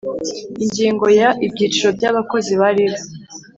Ingingo ya ibyiciro by abakozi ba rib